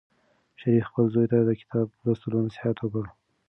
شریف خپل زوی ته د کتاب لوستلو نصیحت وکړ.